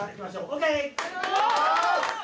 ＯＫ？